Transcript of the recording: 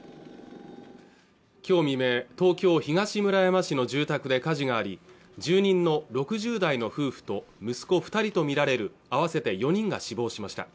今日未明東京・東村山市の住宅で火事があり住人の６０代の夫婦と息子二人と見られる合わせて４人が死亡しました